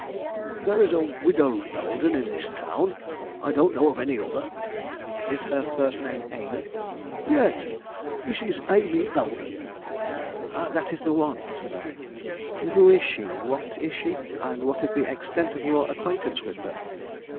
"There is a widow Belden in town; I don't know of any other." "Is her first name Amy?" "Yes, Mrs. Amy Belden." "That is the one," said I. "Who is she, what is she, and what is the extent of your acquaintance with her?"